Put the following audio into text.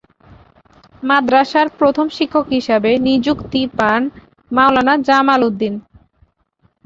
মাদরাসার প্রথম শিক্ষক হিসেবে নিযুক্তি পান মাওলানা জামাল উদ্দিন।